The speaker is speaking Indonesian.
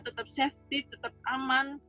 tetap safety tetap aman